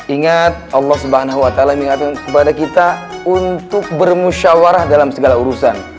ingat allah swt mengingatkan kepada kita untuk bermusyawarah dalam segala urusan